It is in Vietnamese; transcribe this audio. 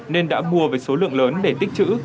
nên đã mua với số lượng lớn để tích chữ